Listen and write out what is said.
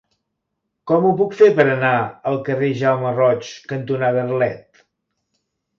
Com ho puc fer per anar al carrer Jaume Roig cantonada Arlet?